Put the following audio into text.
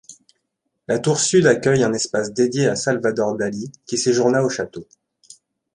La tour sud accueille un espace dédié â Salvador Dali qui séjourna au château.